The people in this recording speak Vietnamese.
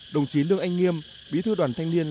đồng chí đương anh nghiêm bí thư đoàn thanh niên